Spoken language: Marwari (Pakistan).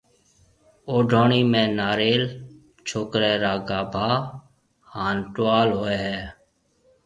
اوڊوڻِي ۾ ناريل، ڇوڪرَي را گھاڀا ھان ٽوال ھوئي ھيََََ